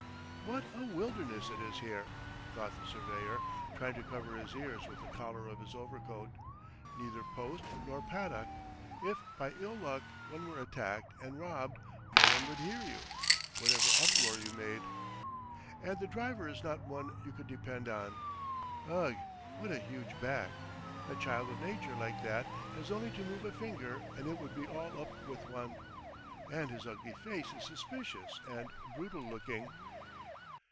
"What a wilderness it is here," thought the surveyor, trying to cover his ears with the collar of his overcoat. "Neither post nor paddock. If, by ill luck, one were attacked and robbed no one would hear you, whatever uproar you made. ... And the driver is not one you could depend on. ... Ugh, what a huge back! A child of nature like that has only to move a finger and it would be all up with one! And his ugly face is suspicious and brutal looking."